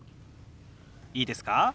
いいですか？